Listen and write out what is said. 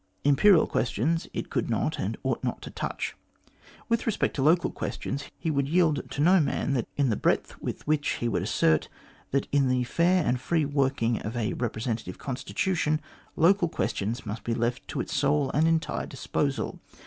Imperial questions it could not, and ought not to touch. With respect to local questions, he would yield to no man in the breadth with which he would assert that, in the fair and free working of a representative constitution, local questions must be left to its sole and entire disposal.